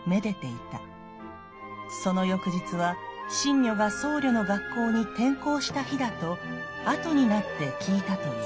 その翌日は信如が僧侶の学校に転校した日だと後になって聞いたという」。